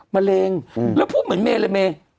มะเร็งแล้วพูดเหมือนเมเลยเม